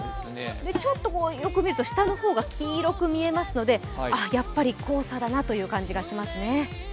ちょっとよく見ると下の方が黄色く見えますのでやっぱり黄砂だなという感じがしますね。